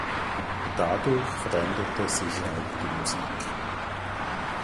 Dadurch veränderte sich auch die Musik.